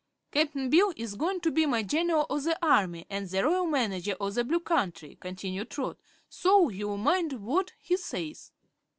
"Cap'n Bill is goin' to be my General o' the Army an' the Royal Manager o' the Blue Country," continued Trot; "so you'll mind what he says."